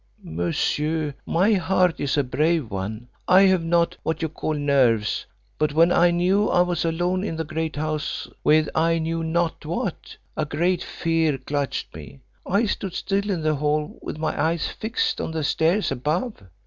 "Monsieur, my heart is a brave one. I have not what you call nerves, but when I knew I was alone in the great house with I knew not what, a great fear clutched me. I stood still in the hall with my eyes fixed on the stairs above.